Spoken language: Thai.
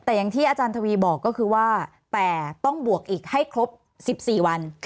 แต่อย่างที่อาจารย์ทวีบอกก็คือว่าแต่ต้องบวกอีกให้ครบ๑๔วัน